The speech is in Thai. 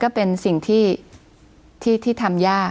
คุณปริณาค่ะหลังจากนี้จะเกิดอะไรขึ้นอีกได้บ้าง